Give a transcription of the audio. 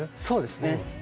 そうですね。